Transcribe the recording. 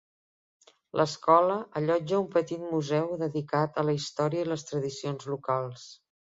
L'escola allotja un petit museu dedicat a la història i les tradicions locals.